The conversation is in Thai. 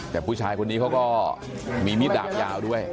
แต่ผู้ชายคนนี้เขาก็มีมีดดาบยาวด้วย